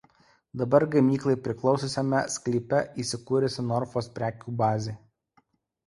Dabar gamyklai priklausiusiame sklype įsikūrusi „Norfos“ prekių bazė.